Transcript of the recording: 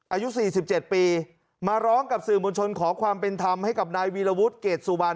อายุ๔๗ปีมาร้องกับสื่อมวลชนขอความเป็นธรรมให้กับนายวีรวุฒิเกรดสุวรรณ